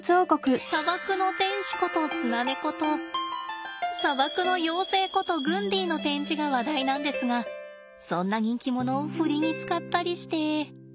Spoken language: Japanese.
砂漠の天使ことスナネコと砂漠の妖精ことグンディの展示が話題なんですがそんな人気者をふりに使ったりして。